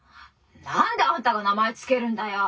「何であんたが名前付けるんだよ」。